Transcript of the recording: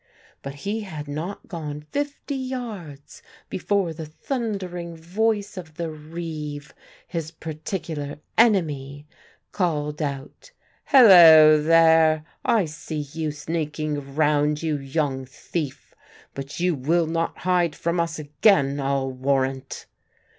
But he had not gone fifty yards, before the thundering voice of the reeve, his particular enemy, called out, "Hulloo there, I see you sneaking round, you young thief. But you will not hide from us again, I'll warrant."